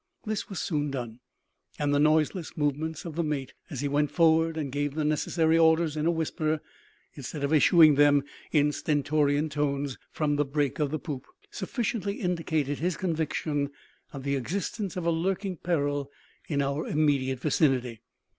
This was soon done; and the noiseless movements of the mate as he went forward and gave the necessary orders in a whisper, instead of issuing them in stentorian tones from the break of the poop, sufficiently indicated his conviction of the existence of a lurking peril in our immediate vicinity.